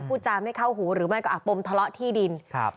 พูดจาไม่เข้าหูหรือไม่ก็อ่ะปมทะเลาะที่ดินครับ